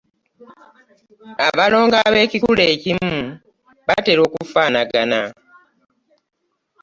Abalongo ab'ekikula ekimu batera okufaanagana.